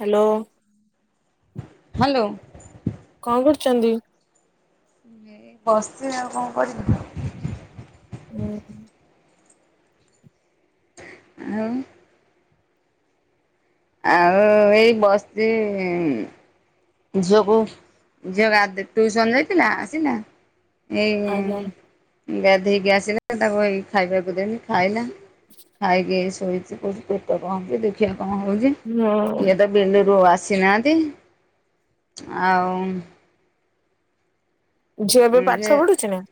Hello. Hello. କ କରୁଛନ୍ତି? ବସିଛି ଆଉ କଣ କରିବି? ହୁଁ। ଆଉ ଆଉ ଏଇ ବସିଚି ଝିଅକୁ ଝିଅ ଗାଧ ଟୁଉସନ୍ ଯାଇଥିଲା ଆସିନି ନା? ଏଇ ଆଜ୍ଞା ଗାଧୋଇକି ଆସିଲେ ତାକୁ ଏଇ ଖାଇବାକୁ ଦେମି ଖାଇଲା। ଖାଇକି ଶୋଇଛି। କହୁଛି ପେଟ କଣ ହଉଚି ଦେଖିବା କଣ ହଉଛି? ହଁ। ବିଲୁରୁ ଆସିନାହାନ୍ତି। ଆଉ ଝିଅ ଏବେ ଯେ ପାଠ ପଢୁଛି ନା?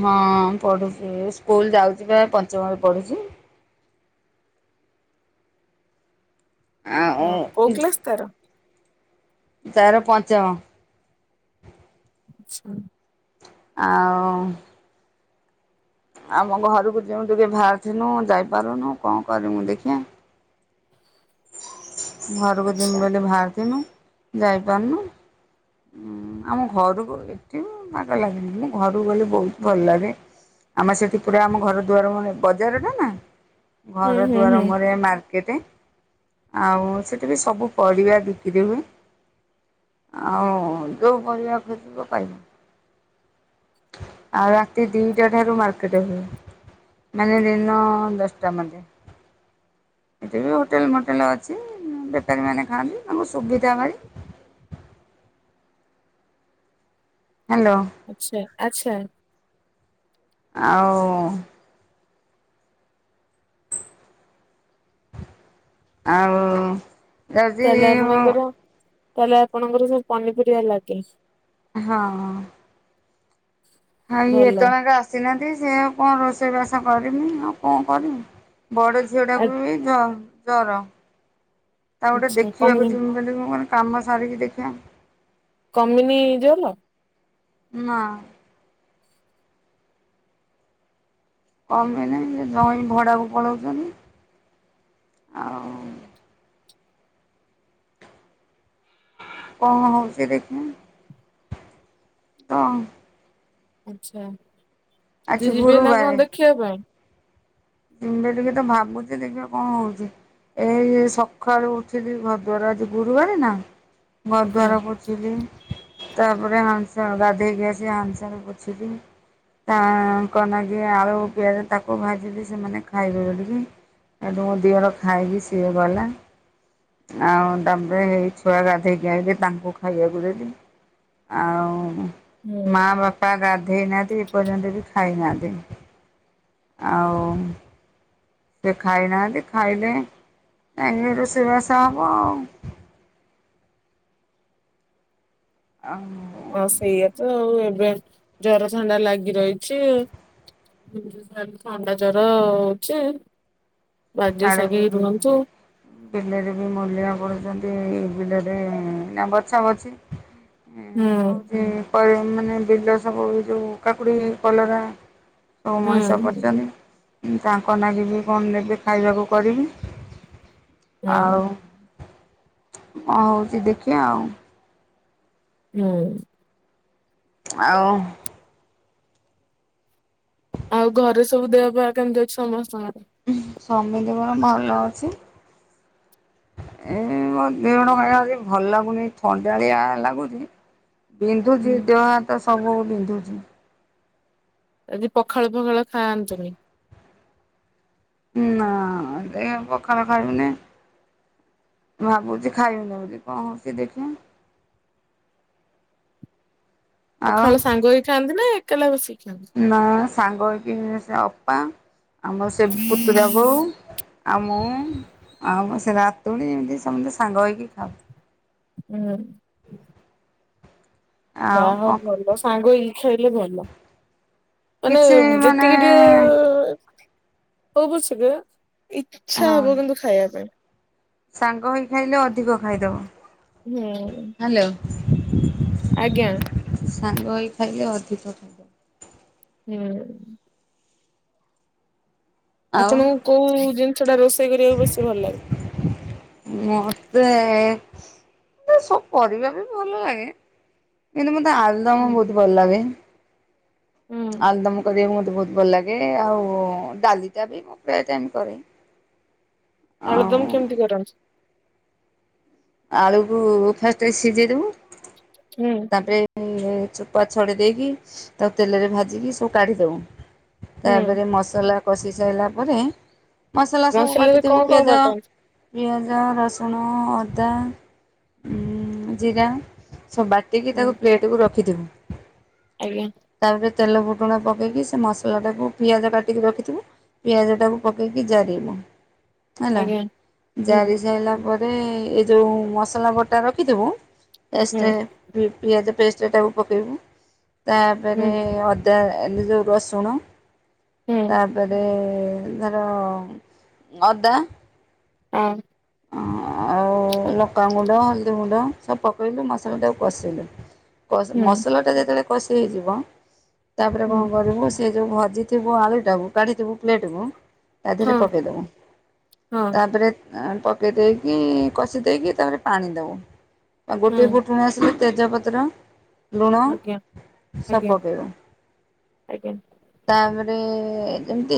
ହଁ ପଢ଼ୁଛି ସ୍କୁଲ ଯାଉଛି ବା ପଞ୍ଚମରେ ପଢ଼ୁଛି। ଆଉ ହଁ। କୋଉ କ୍ଲାସ ତାର? ତାର ପଞ୍ଚମ। ଛା। ଆଉ ଆମ ଘରକୁ ଯେଉଁ ଟିକେ ବାହାରିଥିନୁ ଯାଇପାରୁନୁ କଣ କରି ମୁୁ ଦେଖିବା। ଘରକୁ ଯିମି ଆଚ୍ଛା ବୋଲି ବାହାରିଥିଲୁ ଯାଇପାରୁନୁ। ହଁ ଆମ ଘରକୁ ଏଠି ବାଗା ଲାଗେନି ମୁଁ ଘରକୁ ଗଲେ ବହୁତ ଭଲ ଲାଗେ। ଆମେ ସେଠି ପୁରା ଆମ ଘର ଦୁଆର ମୁହଁ ବଜାରଟ ନା। ହୁଁ ଘର ହୁଁ ଦୁଆର ହୁଁ ମୁହଁର ମାର୍କେଟେ। ଆଉ ସେଇଠି ବି ସବୁ ପରିବା ବିକ୍ରି ହୁଏ। ଆଉ ଯୋଉଁ ପରିବା ଖୋଜିବ ପାଇବ। ଆଉ ରାତି ଦିଟା ଠାରୁ ମାର୍କେଟ ହୁଏ। ମାନେ ଦିନ ଦଶଟା ମଧ୍ଯ ଏଠି ବି ହୋଟେଲ ମୋଟେଲ ଅଛି ବେପାରୀମାନେ ଖାଆନ୍ତି ତାଙ୍କୁ ସୁବିଧା ଭାରୀ। ହ୍ୟାଲୋ। ଆଚ୍ଛା ଆଚ୍ଛା। ଆଉ ଆଉ ଯଦି ତାହେଲେ ହଁ ଆପଣଙ୍କର ତାହେଲେ ଆପଣଙ୍କର ସବୁ ପନିପରିବା ଲାଗେ? ହଁ ହଁ। ହଉ ଇଏ ଭଲ। ଏତେ ବେଳକେ ଆସିନାହାନ୍ତି ସେ ଆଉ କଣ ରୋଷେଇ ବାସ କରିନି ଆଉ କଣ କରିବି? ବଡ଼ ଆ ଝିଅଟାକୁ ବି ଜ ଜର। ତାକୁ ଗୋଟେ ଆଚ୍ଛା କମି ଦେଖିବାକୁ ଜିମି ବୋଲି ମୁଁ କଣ କାମ ସାରିକି ଦେଖିଆ। କମିନି ଜେଲ। ନା। କମ ବି ନାଇଁ ଜଇଁ ଭଡାକୁ ପଳାଉଛନ୍ତି ଆଉ କଣ ହଉଛି ଦେଖିଆ ଆଚ୍ଛା ଆଜି ଆଜି ଯିବେ ନା କଣ ଦେଖିବା ପାଇଁ? [unintelligible] ଟିକେ ତ ଭାବୁଛି ଦେଖିବା କଣ ହଉଛି। ଏଇ ସକାଳୁ ଉଠିଲି ଘରଦ୍ୱାର ଆଜି ଗୁରୁବାର ନା ଆଜ୍ଞା ଘରଦ୍ୱାରକୁ ତାପରେ ଆନ୍ସ ଗାଧେଇକି ଆସି ଆନ୍ସରେ ପୋଛିଲି। ତା କନାଜିିଏ ଆଳୁ ପିଆଜ ତାକୁ ଭାଜି ଦେଇ ସେମାନେ ଖାଇବେ ଜଗିଛି ଏବେ ମୋ ଦିଅର ଖାଇକି ସିଏ ଗଲା। ଆଉ ତାପରେ ଏଇ ଛୁଆ ଗାଧେଇକି ଆାଇଲେ ତାଙ୍କୁ ଖାଇବାକୁ ଦେଲି। ଆଉ ହୁଁ ମା ବାପା ପା ଗାଧେଇ ନାହାନ୍ତି ଏପର୍ଯ୍ୟନ୍ତ ବି ଖାଇନାହାନ୍ତି ଆଉ। ସେ ଖାଇନାହାନ୍ତି ଖାଇଲେ ଆ ରୋଷେଇବାସ ହବ ଆଉ। ଆ ହଁ ସେଇଆ ତ ଆଉ ଏବେ ଜର, ଥଣ୍ଡା ଲାଗି ରହିଛି। ଥଣ୍ଡା ଜର ହଉଛି ବାଗେଈ ଆଡ଼େ ସାଗି ବି ରୁହନ୍ତୁ। ବିଲରେ ବି ମୂଲିଆ କରୁଛନ୍ତି ବିଲରେ ନା ବଛା ବଛି ହୁଁ ହଉଛି ମାନେ ବିଲ ସବୁ ଯୋଉ କାକୁଡି କଲରା ସବୁ ହୁଁ ମଣିଷ ହୁଁ କରୁଛନ୍ତି ତାଙ୍କ ନାଗିବି କଣ ନେବି। ଖାଇବାକୁ କରିବି ହୁଁ ଆଉ ଅ ହଉଛି ଦେଖିବା ଆଉ ହୁଁ। ଆଉ ଆଉ ଘରେ ସବୁ ଦେହ ବା କେମିତି ଅଛି ସମସ୍ତଙ୍କର? ଉଁ ସମାତୀ କର ଭଲ ଅଛି। ଏଇ ମୋ ଦିଅ ଟା କାଇଁ ଭଲ ଲାଗୁନି ଆଜି ଥଣ୍ଡାଳିଆ ଲାଗୁଛି। ବିନ୍ଧୁଛି ହୁଁ। ଦେହ ହାତ ସବୁ ବିନ୍ଧୁଛି। ଆଜି ପଖାଳ ପଖାଳ ଖାଆନ୍ତୁନି ନା ଏ ପଖାଳ ଖାାଇିବିନି। ଭାବୁଛି ଖାଇବିନି ବୋଲି କଣ ହଉଛି ଦେଖିବା। ଆଉ ପଖାଳ ସାଙ୍ଗ ହେଇ ଖାଆନ୍ତି ନା ଏକଲା ବସିକି ଖାଆନ୍ତି। ମା ସାଙ୍ଗ ହେଇକି ସେ ଅପା ଆମର ସେ ପୁତୁରା ବୋଉ ଆଉ ମୁଁ ଆଉ ସେ ନାତୁଣୀ ଏମିତି ସମସ୍ତେ ସାଙ୍ଗ ହେଇକି ଖାଉ। ହୁଁ। ଯା ଆଉ ହ କଣ ଭଲ ସାଙ୍ଗ ଇଛହେଲେ ଭଲ ମାନେ କିଛି ମାନେ ଯେତିକି ଟିକେ [unintelligible] ଇଚ୍ଛା ହଁ ହବ କିନ୍ତୁ ଖାଇବା ପାଇଁ ସାଙ୍ଗ ହେଇ ଖାଇଲେ ଅଧିକ ଖାଇଦବ। ହୁଁ। ହ୍ୟାଲୋ। ଆଜ୍ଞା। ସାଙ୍ଗ ହେଇ ଖାଇଲେ ଅଧିକ ହୁଁ। ଆଉ ଆପଣଙ୍କୁ କୋଉ ଜିନିଷ ଟା ରୋଷେଇ କରିବାକୁ ବେଶି ଭଲ ଲାଗେ? ମତେ ସବୁ କରିବା ବି ଭଲ ଲାଗେ। କିନ୍ତୁ ମତେ ଆଲୁଦମ ହୁଁ ବହୁତ ଭଲ ଲାଗେ। ହୁଁ ଆଲୁଦମ କରିବାକୁ ମତେ ବହୁତ ଭଲ ଲାଗେ ଆଉ ଡାଲିଟା ବି ପ୍ରାୟ ଟାଇମ୍ କରେ। ଆଉ ଆଳୁଦମ୍ କେମିତି କରନ୍ତି? ଆଳୁକୁ ଫାଷ୍ଟ ସିଝେଇ ଦେବୁ। ହୁଁ। ତାପରେ ଚୁପା ଛଡେଇ ଦେଇକି ତାକୁ ତେଲରେ ଭାଜିକି ସବୁ କାଢି ଦବୁ। ହୁଁ ତାପରେ ମସଲା କଷି ସାରିଲା ପରେ ମସଲା ସବୁ ମସଲାରେ ବାଟିିଦବୁ କଣ କଣ ପିଆଜ ବାଟନ୍ତି? ପିଆଜ ରସୁଣ ଅଦା ଉଁ ଜିରା ସବୁ ବା ଟିକି ହୁଁ ତାକୁ ପ୍ଲେଟକୁ ରଖିଥିବୁ। ଆଜ୍ଞା। ତାପରେ ତେଲ ଫୁଟୁଣା ପକେଇକି ସେ ମସଲା ଟାକୁ ପିଆଜ କାଟିକି ରଖିଥିବୁ ପିଆଜ ଟାକୁ ପକେଇକି ଜାରିବୁ ହେଲା ଆଜ୍ଞା। ହୁଁ ଜାରି ସାଇଲା ତାପରେ ଏ ଯଉ ମସଲା ବଟା ରଖିଥିବୁ ହୁଁ ଟେଷ୍ଟେ ପିଆଜ ପେଷ୍ଟ ଟାକୁ ପକେଇବୁ ହୁଁ ତାପେରେ ଏ ଯଉ ରସୁଣ ତା ହୁଁ ତାପରେ ଧର ଅଦା ହଁ। ଅଁ ଆଉ ଓ ଲଙ୍କା ଗୁଣ୍ଡ ହଳଦୀ ଗୁଣ୍ଡ ସବୁ ପକେଇକି ମସଲଟାକୁ କଷେଇ ଦବୁ। ହୁଁ ମସଲା ଟା ଯେତବେଳେ କଷି ହେଇଯିବ ତାପରେ ହୁଁ କଣ କରିବୁ ସେ ଯୋଉ ଭାଜିଥିବୁ ଆଳୁ ଟାକୁ କାଢିଦବୁ ପ୍ଲେଟ କୁ ତା ଦେହରେ ହଁ ପକେଇଦବୁ ହଁ ତାପରେ ଅ ପକେଇ ଦେଇକି କଷି ଦେଇକି ତାପରେ ପାଣି ଦେବ ଗୋଟେ ହୁଁ ଫୁଟୁଣ ଆସିଲେ ତେଜପତ୍ର ଲୁଣ ଆଜ୍ଞା ସବୁ ଆଜ୍ଞା ପକେଇବ। ଆଜ୍ଞା ତାପରେ ଯେମିତି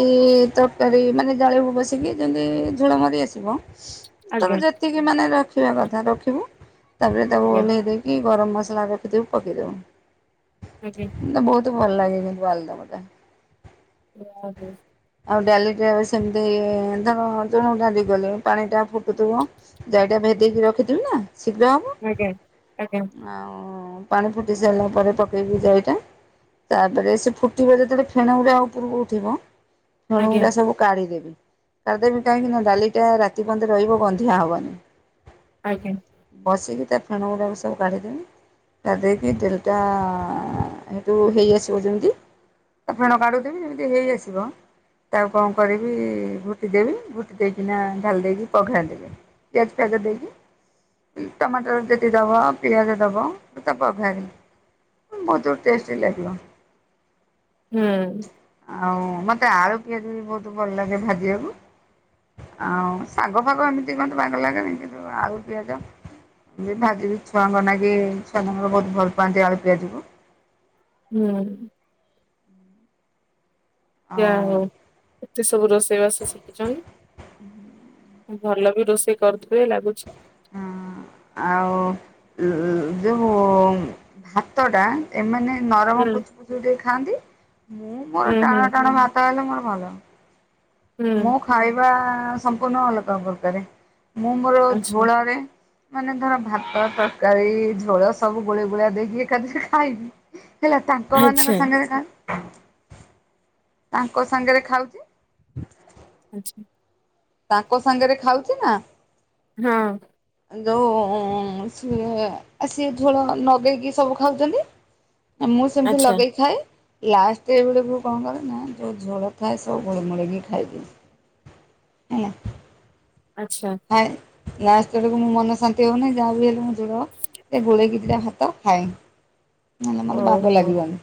ତରକାରୀ ମାନେ ଜଳେଇବୁ ବସିକି ଯେମିତି ଝୁଳ ମରି ଆସେ [inaudible] ତମେ ଆଜ୍ଞା ଯେତିକି ମାନେ ରଖିବା କଥା ରଖିବୁ ତାପରେ ତାକୁ ଆଜ୍ଞା ଓହ୍ଲେଇ ଦେଇକି କି ଗରମ ମସଲା ରଖିଥିବୁ ପକେଇଦେବ। ଆଜ୍ଞା। ମତେ ବହୁତ ଭଲ ଲାଗେ କିନ୍ତୁ ଆଳୁ ଦମ୍ ଟା। [unintelligible] ଆଉ ଡାଲିଟା ସେମିତି ଧ ଧଣ ଡାଲି କଲେ ପାଣି ଟା ଫୁ ଫୁଟୁଥିବ ଯାଇଟା ଭେଦିକି ରଖିଥିବି ନା ଶୀଘ୍ର ହବ। ଆଜ୍ଞା ଆ ଆଜ୍ଞା। ଆଉ ପାଣି ଫୁଟି ସାରିଲା ପରେ ପକେଇକି ଯାଇଟା ତାପରେ ସେ ଫୁଟିବ ଯେତବେଳେ ଫେଣ ଗୁରା ଉପରକୁ ଉଠିବ ଆଜ୍ଞା ଫେଣଗୁରା ସବୁ କାଢ଼ିଦେବି କାଢ଼ିଦବି କାହିଁକି ନା ଡାଲିଟା ରାତି ପର୍ଯ୍ୟନ୍ତ ରହିବ ଗନ୍ଧିଆ ହବନି। ଆଜ୍ଞା। ବସିକି ତା ଫେଣ ଗୁରାକ ସବୁ କାଢିଦେବି। ତା ଦେଇକି ତିନିଟା ଯୁ ହେଇ ଆସିବ ଯେମିତି ତା ଫେଣ କାଢିଦେବି ଯେମିତି ହେଇ ଆସିବ ତାକୁ କଣ କରିବି ଗୁଟି ଦେବି ଗୁଟି ଦେଇକିନା ଢାଲି ଦେଇକି ପଘାଳି ଦେବି ପିଆଜ ଫିଆଜ ଦେଇକି ଟମାଟର ଯଦି ଦବା ପିଆଜ ଦବ ତାପ ଭାରି ମଧ୍ୟ ଟେଷ୍ଟି ଲାଗିବ। ହୁଁ। ଆଉ ମତେ ଆଳୁ ପିଆଜ ବି ବହୁତ ଭଲ ଲାଗେ ଭାଜିବାକୁ। ଆଉ ଶାଗ ଫାଗ ଏମିତି କହନ୍ତି ବାଗ ଲାଗେନି, କିନ୍ତୁ ଆଳୁ ପିଆଜ ଭାଜି ବିି ଛୁଆଙ୍କ ନାଗି ଛୁଆମାନଙ୍କର ବହୁତ ଭଲ ପାଆନ୍ତି ଆଳୁ ପିଆଜ କୁ। ହୁଁ। ଯା ଆଉ ହଉ, ଏତେ ସବୁ ରୋଷେଇବାସ ଶିଖିଚନି। ଭଲ ବି ରୋଷେଇ କରୁଥିବେ ଲାଗୁଛି। ହଁ, ଆଉ ଯୋଉ ଭା ତ ଟା ଏମାନେ ନରମ ହୁଁ ପୁତୁ ପୁତୁ ଟିକେ ଖାଆନ୍ତି! ମୁଁ ମୋର ହୁଁ ହୁଁ ଟାଣ ଟାଣ ଭାତ ତାହଲେ ମୋର ଭଲ। ହୁଁ ମୋ ଖାଇବା ସମ୍ପୂର୍ଣ ଅଲଗା ପରକାରେ, ମୁଁ ମୋର ଆଚ୍ଛା ଝୋଳାରେ ମାନେ ଧର ଭାତ ତରକାରୀ ଝୋଳ ସବୁ ଗୋଳେଳି ଗୋଳା ଦେଇକି ଏକାଠି ସେ ଖାଇନି ହେଲା ତାଙ୍କ ମାନଙ୍କ ଆଚ୍ଛା ସାଙ୍ଗରେ ଖାଉନୁ, ତାଙ୍କ ସାଙ୍ଗରେ ଖାଉଛି ଆଚ୍ଛା। ତାଙ୍କ ସାଙ୍ଗରେ ଖାଉଛି ନା? ହଁ। ଯଉ ସିଏ ସିଏ ଝୋଳ ନଗେଇକି ସବୁ ଖାଉଛନ୍ତି। ମୁଁ ସେମିତି ଆଚ୍ଛା ଲଗେଇ ଖାଏ। ଲାଷ୍ଟ ବେଳକୁ କଣ କରେ! ନା ଯଉ ଝୋଳ ଥାଏ ସବୁ ଗୋଳମଳିକି ଖାଇଦିଏ। ହେଲା ଆଚ୍ଛା। ଖାଏ, ଲାଷ୍ଟ ତେଳକୁ ମୁଁ ମନ ଶାନ୍ତି ହେଉନାହିଁ ଯାହା ବି ହେଲେ ମୁଁ ଝୋଳ ଗୋଳେଇକି ଦିଟା ଭାତ ଖାଏ, ନହେଲେ ମୋତେ ଭାଗ ଓହୋ ଲାଗିବନି।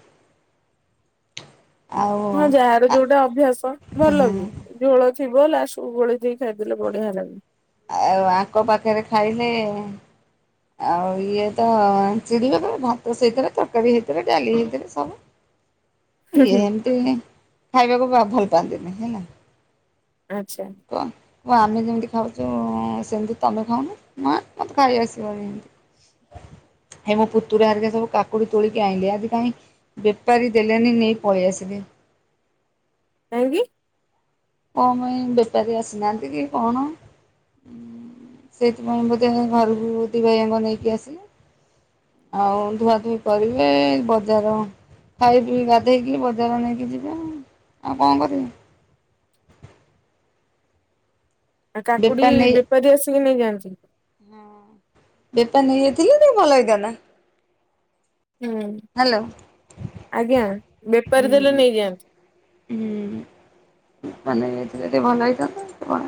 ଆଉ ହଁ ଯାହାର ଯୋଉଟା ଅଭ୍ୟାସ। ଭଲ ବି ଝୋଳ ଥିବ ଲାଷ୍ଟକୁ ଗୋଳେଇ ଦେଇକି ଖାଇଦେଲେ ବଢିଆ ଲାଗେ। ଆଉ ଆଙ୍କ ପାଖରେ ଖାଇଲେ ଆଉ ଇଏ ତ ଚିଡିବେ ପୁରା ଭାତ ସେଇଥିରେ ତରକାରୀ ହେଇଥରେ ଡାଲି ହେଇଥରେ ସବୁ ଇଏ ହୁଁ ଏମିତି ଖାଇବାକୁ ଭଲ ପାଆନ୍ତିନି ହେଲା! ଆଚ୍ଛା। କହ ଓ ଆମେ ଯେମିତି ଖାଉଛୁ! ସେମିତି ତମେ ଖାଉନ? ମା ତ ଖାଇ ଆସିବନି ହେ ମୋ ପୁତୁରା ହରିକା ସବୁ କାକୁଡି ତୋଳିକି ଆଣିଲେ ଆଜିି କାହିଁ? ବେପାରୀ ଦେଲେଣିି ନେଇପଳେଇ ଆସିଲେ। କାହିଁକି କଁପାଇ ବେପରି ଆସିନାହାନ୍ତି କି କଣ? ସେଇଥିପାଇଁ ବୋଧେ ଘରକୁ ଦି ଭାଇ ଆଙ୍କ ନେଇକି ଆସିଲେ। ଆଉ ଧୁଆଧୁଇ କରିବେ ବଜାର ଖାଇ ପି ଗାଧେଇକି ବଜାର ନେଇକି ଯିବେ ଆଉ, ଆଉ କଣ କରିବି ଆ କାକୁଡି ବେପାରୀ ଆସିକି ନେଇଯାଆନ୍ତି। ହଁ। ବେପାରି ନେଇଯାଇଥିଲେ ତ ଭଲ ହେଇଥାନ୍ତା। ହୁଁ, ହ୍ୟାଲୋ ଆଜ୍ଞା, ହୁଁ ବେପାରୀ ଦେଲେ ନେଇଯାଆନ୍ତୁ। ହୁଁ, ପନିର ହେଇଥିଲେ ଟିକେ ଭଲ ହେଇଥାନ୍ତା।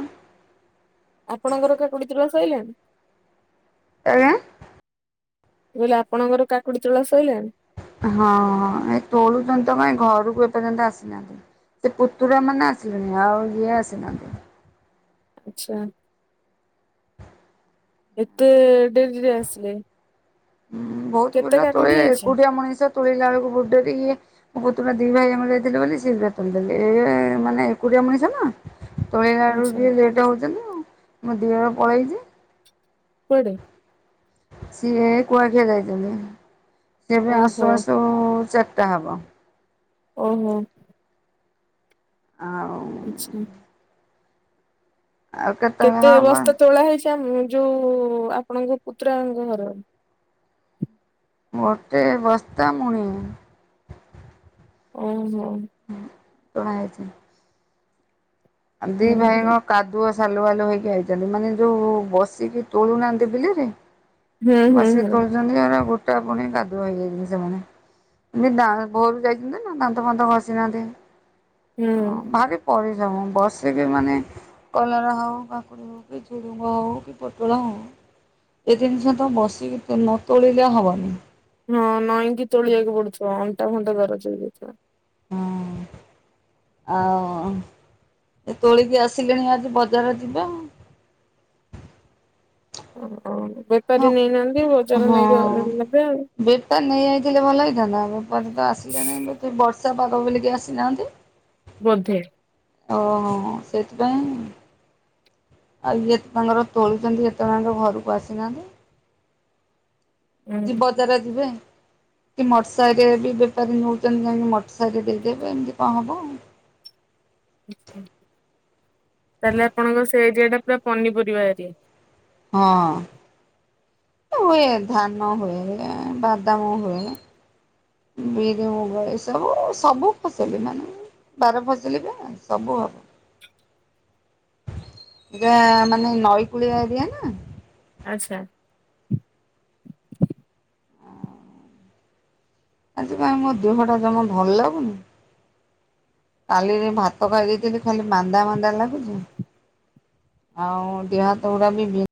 ଆପଣଙ୍କର କାକୁଡି ତୋଳା ସଇଲା? ଆଜ୍ଞା। ମୁଁ କହିଲି ଆପଣଙ୍କର କାକୁଡ଼ି ତୋଳା ସୋଇଲାଣି? ହଁ ଏ ତୋଳୁଚନ୍ତିତ କାଇଁ ଘରକୁ ଏପର୍ଯ୍ୟନ୍ତ ଆସିନାହାନ୍ତି। ସେ ପୁତୁରା ମାନେ ଆସିଲେଣିି ଆଉ ଇଏ ଆସିନାହାନ୍ତି। ଆଚ୍ଛା। ଏତେ ଡେରିରେ ଆସିଲେ। ହୁଁ ବହୁତ କେତେ ଭୁଲ କାକୁଡି ତୋଳିବେ ହେଇଛି ଏକୁଟିଆ ମଣିଷ ତୋଳିଲା ବେଳକୁ ବୋହୁତ୍ ଡେରି ହୁଏ। ମୋ ପୁତୁରା ଦି ଭାଇ ଆମର ଯାଇଥିଲେ ବୋଲି ସିଘ୍ର ତୋଳିଦେଲି ଏ ମାନେ ଏକୁଟିଆ ମଣିଷନା ତୋଳିିଲାକୁ ଆଚ୍ଛା ଟିକେ ଲେଟ୍ ହଉଚନ୍ତି ମୋ ଦିଅର ପଳେଇଚି। କୁଆଡ଼େ? ସିଏ କୁଆଖିଆ ଯାଇଚନ୍ତି ସେଏବି ଓହୋ ଆସୁ ଆସୁ ଚାରିଟା ହବ। ଓହୋ। ଆଉ ଆଚ୍ଛା। ଆଉ କେତେବେଳେ କେତେ ହବ ବସ୍ତା ତୋଳା ହେଇଚି ଆମ ଯୋଉ ଆପଣଙ୍କ ପୁତୁରାଙ୍କ ଘର? ଗୋଟେ ବସ୍ତା ମୁଣି। ଓହୋ। ହଁ ତୋଳା ହେଇଚି। ଆଉ ଦି ହୁଁ ଭାଇଙ୍କ କାଦୁଅ ସାଲୁ ବାଲୁ ହେଇକି ଆଇଚନ୍ତି ମାନେ ଯୋଉ ବସିକି ତୋଳୁନାହାଁନ୍ତି ବିଲରେ ହୁଁ ହୁଁ ବସିକି ହୁଁ ତୋଳୁଚନ୍ତି ଗୋଟା ପୁଣି କାଦୁଅ ହେଇଯାଇଚନ୍ତି ସେମାନେ। ଏତି ଭୋରୁ ଯାଇଚନ୍ତିନା ଦାନ୍ତ ଫାନ୍ତ ଘସିନାହାନ୍ତି ହୁଁ ଭାରି ପରିଶ୍ରମ ବସିକି ମାନେ କଲାର ହଉ କାକୁଡ଼ି ଝୁଡ଼ଗ ହୋଉ କି ପୁଟଳ ହୋଉ [unintelligible] ତ ବସିକି ନତୋଳିଲେ ହବନି। ହଁ ନଈଁକି ତୋଳିବାକୁ ପଡ଼ୁଥିବ ଅଣ୍ଟା ଫଣ୍ଟା ଦରଜ ହେଇଯାଇଥିବ। ହଁ। ଆଉ ଏତୋଳିକି ଆସିଲେଣି ଆଜି ବଜାର ଯିବେ। ଓହୋ ହଁ ବେପାରୀ ନେଇନାହାନ୍ତି ବଜାର ହଁ। ନେଇକି ନେବେ। ବେପାର ନେଇଯାଇଥିଲେ ଭଲ ହେଇଥାନ୍ତା ବେପାରୀତ ଆସିଲେ ନାହେ ବୋଧେ ବର୍ଷା ପାଗ ବୋଲିକି ଆସିନାହାନ୍ତି। ବୋଧେ। ଓହୋ ସେଥିପାଇଁ। ଆଉ ଇଏତାଙ୍କର ତୋଳୁଚନ୍ତି ଏତେଳଆଙ୍କ ଘରକୁ ଆସିନାହାନ୍ତି। ହୁଁ କି ବଜାର ଯିବେ କି ମଟର ସାହିରେବି ବେପାରୀ ନେଉଚନ୍ତି କାହିଁକି ମଟରସହିରେ ଦେଇଦେବେ ଏମିତି କଁ ହବ ଆଉ। ତାହେଲେ ଆପଣଙ୍କ ସେଏରିଆଟା ପୁରା ପନିପରିବା ଏରିଆ? ହଁ। ହୁଏ ଧାନ ହୁଏ ବାଦାମ ହୁଏ। ବିରି ମୁଗ ଏ ସବୁ ସବୁ ଫସଲି ମାନେ ବାର ଫସିଲିବା ସବୁ ହବ। [inaudible] ପୁରା ମାନେ ନଈ କୂଳିଆ ଏରିଆନା ଆଚ୍ଛା। ଆଜି କାଇଁ ମୋଦେହଟା ଜମା ଭଲ ଲାଗୁନି କାଲିରେ ଭାତ ଖାଇ ଦେଇେଇଥିଲି ଖାଲି ମାନ୍ଦା ମାନ୍ଦା ଲାଗୁଚି। ଆଉ ଦେହହାତ ଗୁଡ଼ାବି ବି